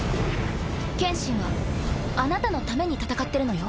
剣心はあなたのために戦ってるのよ。